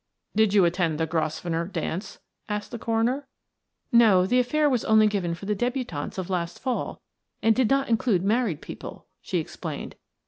"Did you attend the Grosvenor dance?" asked the coroner. "No; the affair was only given for the debutantes of last fall and did not include married people," she explained.